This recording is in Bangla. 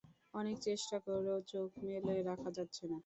অনেক চেষ্টা করেও চোখ মেলে রাখা যাচ্ছে না।